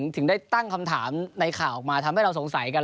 ถึงได้ตั้งคำถามในข่าวออกมาทำให้เราสงสัยกัน